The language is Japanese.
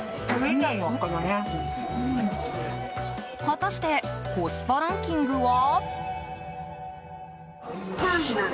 果たしてコスパランキングは？